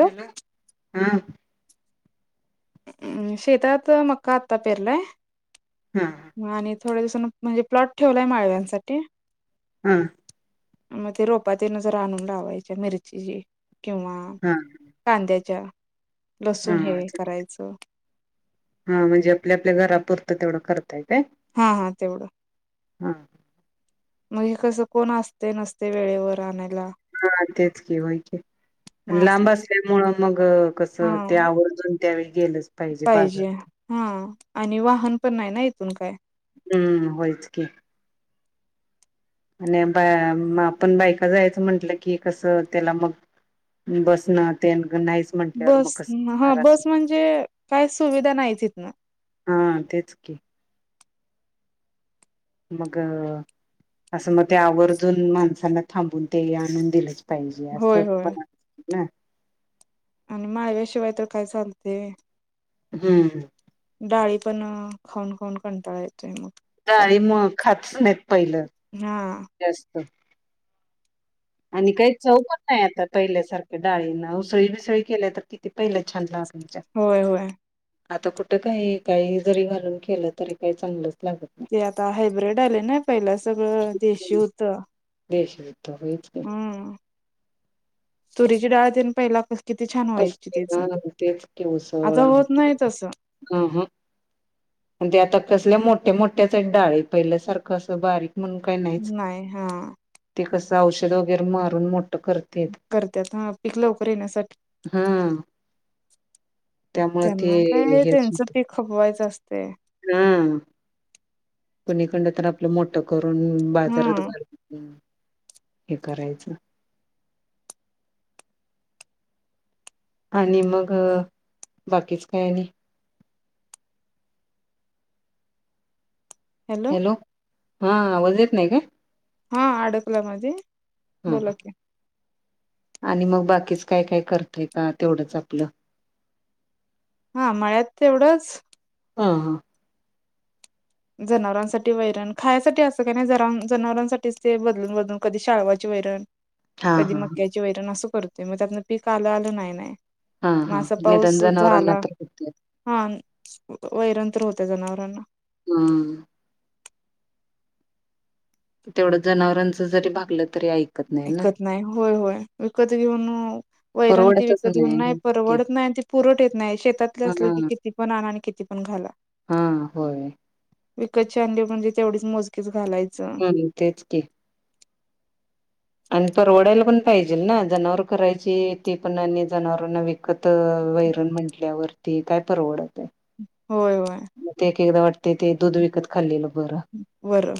Hello हा. अम् शेतात मक्का आत्ता पेरलाय. हा. हा आणि थोड्या दिवसानं म्हणजे प्लॉट ठेवलाय माळव्यांसाठी. हा. मग ते रोपा तेन जरा आणून लावायचे. मिरचीची, किंवा हा कांद्याच्या हा लसूण हे हा चकित करायचं म्हणजे आपल्या आपल्या घरापुरत तेवढ करताय काय? हा हा तेवढ. हा. मग कस कोण असतेय नसतेय वेळेवर आणायला. हा तेच की व्हय की, मग लांब असलच असल्यामुळ मग कस हा ते आवर्जून त्यावेळी गेलच पाहिजे बाजारात. हा आणि वाहन पण नाही ना इथून काय. हम्म्. होयच की. आणि ब मग आपण बायका जायच म्हटल की कस त्याला मग बसणं तेन नाहीच. म्हंटल्यावर मग बस. कसं ह होणार अस बस म्हणजे काय सुविधा नाहीत तिथन. हम् तेच की,. मग अस मग ते आवर्जून माणसांना थांबून ते आणून दिल. पाहिजे. अस होय होय पण ना. आणि माळव्याशिवाय तर काय चालते. हम्म्. डाळी पण खाऊन खाऊन कंटाळा येतोय. सारख डाळी मग खातच नाहीत पहिलं हा जास्त. आणि काही चव पण नाही आता पहिल्यासारख्या डाळीना. उसळी बिसळी केल्या तर किती पहिले छान लागायच्या. होय होय आता कुठं काही. काही जरी घालून केलं तरी काही चांगलंच लागत नाही. ते आता हायब्रीड आलंय ना. पहिला सगळं देशी होत. देशी होत होय की. हम्म. तुरीची डाळ तेन पहिला कस किती छान व्हायची कसले त्याच. आता होत नाही तसं. अम्म हम्म. म्हणजे आता कसल्या मोठ्या मोठ्याच आहेत डाळी. पहिल्या सारखं असं बारीक म्हणून काही नाहीच. नाही हा ते कस औषध वगैरे मारून मोठं करत. करतात हां. पिक लवकर येण्यासाठी. हा त्यामुळे ते त्यांना काय हेच त्यांचं होत पीक खपवायचं असतंय. हा. कुणाकडन तर आपलं मोठ ठ करून बाजारात हम्म घर हे करायचं. आणि मग बाकीच काय आणि हॅलो. हां आवज येत नाही काय? हां अडकला मध्ये हा बोला की, आणि मग बाकीच काय काय करताय का तेवढंच आपलं. हां मळ्यात तर तेवढंच हां हां जनावरांसाठी वैरण, खायासाठी असं काय नाही ज जनावरांसाठीच ते बदलून बदलून कधी शाळवाची वैरण. हा कधी हा मक्याची वैरण असं करतोय मग त्यातनं पीक आलं आलं नाही नाही. हां हां निधान जनावरांना तर होतंय. हां वैरण तर होतंय जनावरांना. हम्म तेवढं जनावरांच जरी भागलं तरी. ऐकत नाही ना विकत नाही होय होय विकत घेऊन, वैरण ती विकत घेऊन नाही परवडत नाही आणि ती पुरवठा येत नाही. शेतातले हा असलं कीती, कितीपण आणला आणि किती पण घाला. हां होय. विकत ची आणली म्हणजे तेवढीच मोजकीच घालायचं. हम्म तेच की. आणि परवडायला पण पाहिजे ना, जनावर करायची ती पण आणि जनावरांना विक कत वैरण म्हटल्यावरती काय परवडत आहे. होय होय. मग ते एक एकदा वाटतंय ते दूध विकत खाल्लेलं बरं. व्हय.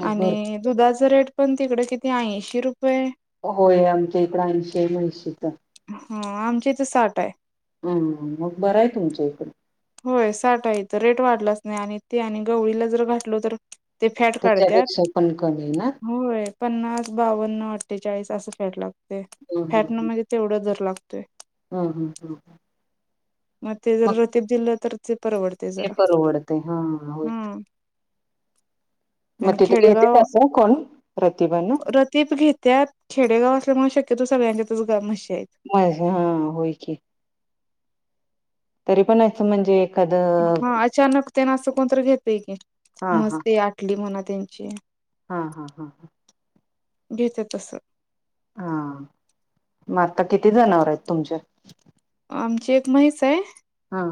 मग बर आणि दुधाचं रेट पण तिकडे किती ऐंशी रुपये, होय आमच्या इकड ऐंशी म्हैशीच. हम्म आमच्या इथे साठ आहे. हम्म मग बरं आहे तुमचं. होय साठ आहे इथं रेट वाढलाच नाही आणि ते आणि गवळीला जर घातले तर. ते फॅट काढतात. त्याच्यापेक्षा पण कमी आहे ना. होय पन्नास बावन्न अठ्ठेचाळीस असं फॅट लागतंय फॅटन म्हणजे तेवढं दर लागतंय. हम्म हम्म हम्म मग ते जर रतीप दिलं तर ते परवडत. ते परवडतंय हां हां. आणि तिथं घेते खेडेगाव असं कोण प्रतिभा ना रतीप घेत्यात. खेडेगाव असल्यामुळे शक्यतो सगळ्यांच्यातच ग म्हशी आहेत. पाहिजे हा होय की. तरी पण असं म्हणजे एखादं हा अचानक त्यांना असं कोणत घेतय की हा म्हस तेन आटली म्हणा त्यांची. हा हा हा हा घेत्यात तसं. हा मग आता किती जनावर आहेत तुमची? आमची एक म्हैस आहे. हां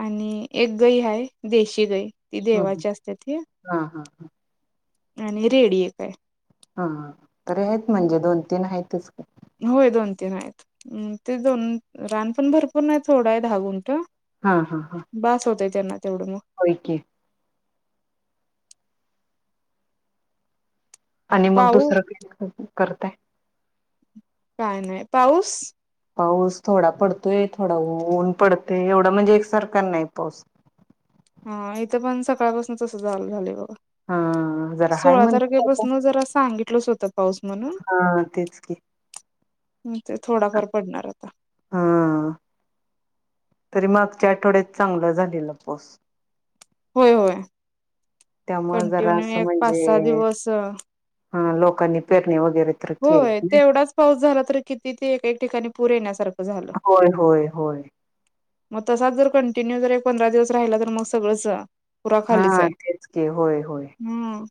आणि एक गई हाय देशी गई. ती हम्म देवाची असते ती हा हा आणि रेडी एक आहे. हा तरी आहेत म्हणजे दोन तीन आहेतच की. होय दोन तीन आहेत ते दोन रान पण भरपूर नाही थोडं आहे धा गून्ठ. हां हां हां बसं होतंय त्यांना तेवढं मगं होयं की आणि मंग पाऊ दुसरं कांहीं करतांय कायं नाहीं पाऊस पाऊस थोडां पडतोय थोडां ऊंन पडतंय एवढां म्हणजे एकसांरखा नाहीं पाऊस हां इथं पणं सकाळंपासून तसंच चालूं झालंय बघां हा जरा हाय सोळा म्हणते तारखेपासूंन जरां सांगितलं चं होतं पाऊस हां तेचं की, मी तरं थोडांफार पडणांर होतां- हां तरी मागच्यां आठवड्यांत चांगलं झालेला पाऊस होय होय त्यांमुळं जरां कंटिन्यू असं एक पाच सहा म्हणजे दिवस हां लोकांनी पेरणी वैगेरें होयं ते एवढांच पाऊस झालां तरं किती ते एक एक ठिकांणी पूंर येण्यांसारखं झालं होयं होयं होयं मंग तसांच जरं कंटिन्यू जरं एक पंधरा दिवसं राहिला तरं मंग सगळंच पुरा खालीच हां आहे तेचं की होयं होयं हम्म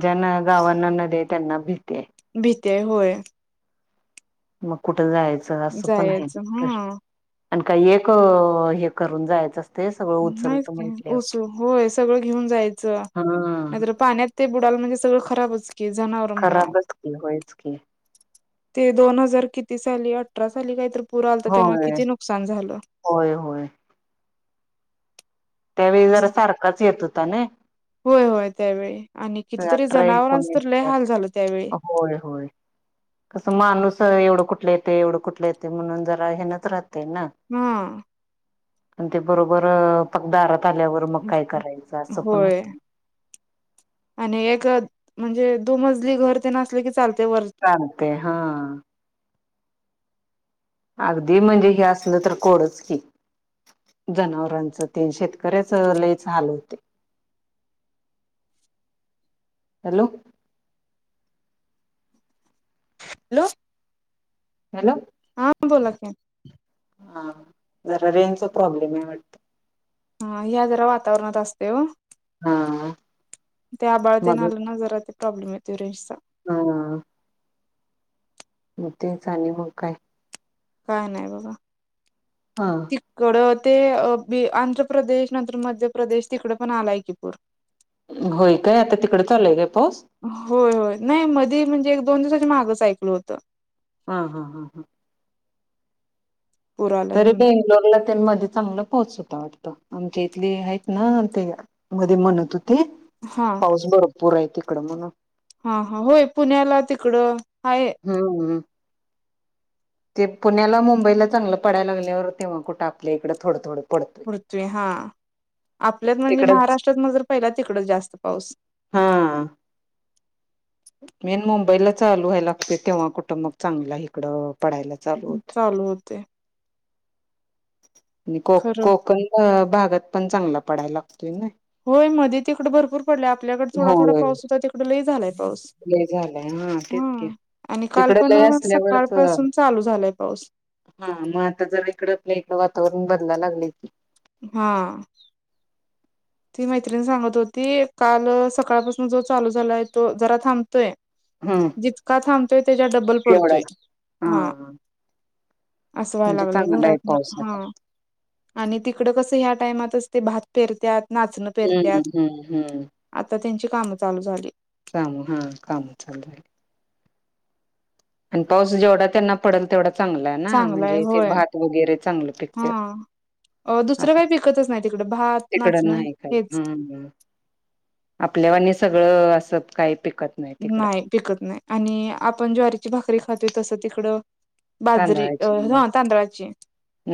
ज्यांना गावांना नदी आहे त्यांना भीती आहे. भीती हांय होयं मंग कुठं जायचं असं पणं आहे नां जायचं प्रश्न हा आणि कांहीं एक हे करूंन जायचं असते सगळं उचलत नाहीं म्हटल्यावर ओसूं होयं सगळं घेऊंन जायचं हा नाहींतरं पाण्यांत ते बुडालं म्हणजे सगळं खरांबचं की जनावरं म्हणां खराबच की होयच की ते दोन हजांर किती साली अठरा साली कांहींतरी पुरं आलतां तेव्हां किती नुकसांन झालंत. होयं होयं त्यांवेळी जरां सारखांच येतं होतां नये होयं होयं त्यांवेळी आणि कितीतरी जनावरांच तरं लंय हालं झालं त्यांवेळी होयं होयं कसं माणूंस एवढं कुठलं येते एवढं कुठले येते म्हणूंन जरां हेनांच राहतेय नां हां आणि ते बरोबर पांक दारांत आल्यावरं मंग कायं करायचं असं पणं होय होतं. आणि एक म्हणजे दो मजली घरं तेन असले की चालते वरं चालतंय हां अगदीं म्हणजे हे असलं तरं कोडंच की जनावरांच ते शेतकऱ्यांचं लयंच हालं होतंय हॅलो हॅलो हॅलो हां बोलां की हां जरां रेनचां प्रॉब्लेम आहे वाटतं हां ह्यां जरां वातावरणांत असते हा ते आंबाळ तेन आलं नां जरां ते प्रॉब्लेम येतं रेंज चां हां मं तेचं आणि मंग कायं काय नाही बघा हा तिकडं ते बी आंध्रप्रदेश नंतर मध्यप्रदेश तिकड पण आलाय की पूर [inaudible] होय काय आता तिकडे चालूय का पाऊस होय होय नाही मधी म्हणजे एक दोन दिवसाच्या मागच ऐकल होतं हा हा हा हा पूर आलाय तरी म्हणून बेंगलोरला तेन मध्ये चांगला होता वाटतं आमच्या इथले हाईतना ते मध्ये म्हणत होतीत हा पाऊस भरपूर हाय तिकड म्हण हा हा होय पुण्याला तिकडं आहे हू हू ते पुण्याला मुंबईला चांगलं पडाय लागल्यावर तेव्हा कुठं आपल्या इकड थोडं थोडं पडतोय हा आपल्यात म्हणजे तिकडच महाराष्ट्रात म जर पहिला तिकडच जास्त पाऊस हा मेन मुंबईला चालू व्हाय लागतंय तेव्हा कुठ महा चांगला इकडं पडायला चालू होत चालू होत आणि कोक खरं कोकण भागात पण चांगला पडाय लागतोय ना होय मध्ये तिकडं भरपूर पडलाय आपल्याकड थोडा थोडा पाऊस होता तिकडे लई झालाय पाऊस लई झालाय हा तेच की आणि काल तिकड लय पण सकाळ असल्यावरच पाासून चालू झालाय पाऊस हा म आता जर इकड आपल्य इथ वातावरण बदलायल लागलंय की हा ती मैत्रीण सांगत होती काल सकाळपासून जो चालू झालाय तो जरा थांबतोय हा का थांबतोय त्याज्या डब्बल पडतोय हा अस व्हाय म्हणजे लागलय चांगला आहे घरातन पाऊस हा आता आणि तिकडं कसं ह्या टायमात ते भात पेरत्यात नाचणं हम्म पेरत्यात हम्म हम्म आता त्यांची कामं चालू झाली काम हा काम चालू आणि पाऊस जेवढा त्यांना पडल तेवढा चांगल ना चांगलंय म्हणजे ते होय भात वगैरे चांगलं हा पिकत्यात अ दुसरं काय पिकतच नाही तिकडं भात तिकडं नाचणें नाही हेच आपल्या वाणी सगळं असत काय पिकत नाही पिकत नाही आणि आपण ज्वारीची भाकरी खातोय तसं तिकडं बाजरी अ तांदळाची नाही नव्ह तांदळाची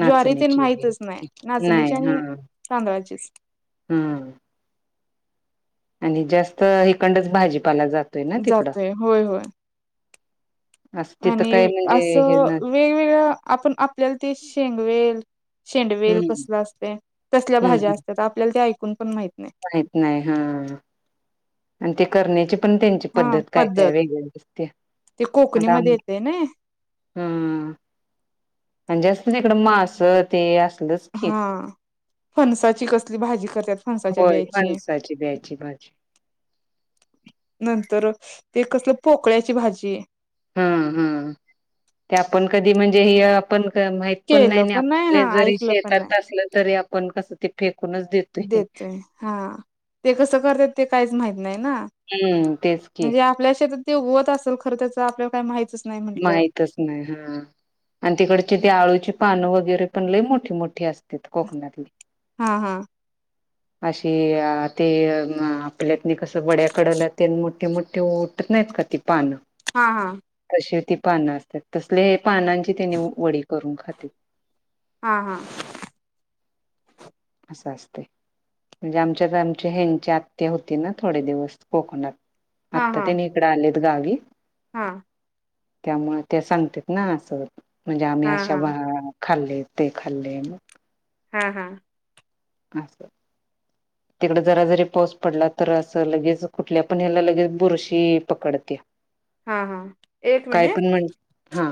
ज्वारी तेन माहितच नाही नाचणीची नाही आणि तांदळाचीच हू आणि जास्त इकडंनच भाजीपाला जात जातोय होय होय असं तिथं काय आणि म्हणजे हे ना असं वेगवेगळ आपण आपल्याला ते शेंगवेल शेंडवेल हम्म कसल असतय तसल्या भाज्या असत्यात आपल्याला ते ऐकून पण माहिती माहीत नाही हा आणि ते करण्याची पण त्यांची पद्धत काय काय वेगळ दिसत्या ते आता आम कोकणीमध्ये येते ना ह आणि जास्त तिकड मास ते अस [unintelligible] हा फणसाची कसली भाजी करत्यात, फणसाच्या होय ब्याची. फणसाची द्यायची भाजी नंतर ते कसलं, पोकळ्याची भाजी. हा, हा, ते आपण कधी म्हणजे ह्य आपण माहित पण केलं नाही, हा आपले जरी ऐकलं पण नाही शेतात असलं तरी, आपण कस ते फेकूनच देत देतोय, हा ते कसं करत्यात, ते काहीच माहीत नाही ना. हम्म तेच की म्हणजे, आपल्या शेतात ते उगवत असेल, खरं त्याच आपल्याला काही माहितच नाही म्हटल्यावर माहितच नाही, हा आणि तिकडची ते आळूची पानं वगैरे, पण लय मोठी, मोठी अस त्यात कोकणातली. हा हा अशी ते आपल्यातनी कसं वड्या कडला तेन मोठी, मोठी उटत नाहीत का ती पान हा, हा. तशी ती पानं असत्यात, तसले पानांची त्येनी वडी करून खात्यात. हा, हा. असं असतय. म्हणजे, आमच्यात आमच्या ह्यांची आत्या होती ना, थोडे दिवस कोकणात. हा आता त्येंनी इकडे आलेत गावी. हा. त्यामुळ त्या सांगतात ना, असं म्हणजे आम्ही हां अशा हां खाल्लय ते खाल्लय ना. हा, हा. असं. [inaudible] तिकड जरा जरी पाऊस पडला तर, असं लगेच कुठल्या पण ह्याला लगेच बुरशी पकडत्या. [inaudible] एक काय मिनिट पण म्हण. हा.